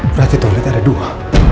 berarti tolong ada dua